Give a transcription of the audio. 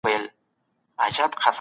پښتورګي د بدن د منرالونو توازن ساتي.